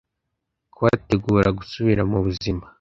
kubategura gusubira mu buzima.